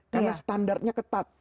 karena standarnya ketat